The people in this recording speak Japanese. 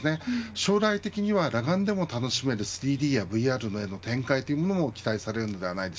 将来的には裸眼でも楽しめる３ＤやＶＲへの展開も期待されます。